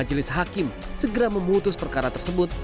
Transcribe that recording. majelis hakim segera memutus perkara tersebut